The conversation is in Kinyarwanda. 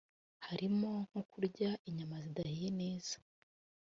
harimo nko kurya inyama zidahiye neza